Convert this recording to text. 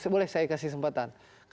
boleh saya kasih kesempatan